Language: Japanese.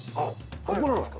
ここなんですか？